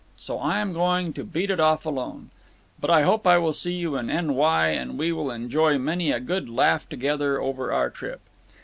So I am going to beat it off alone. But I hope I will see you in N Y & we will enjoy many a good laugh together over our trip.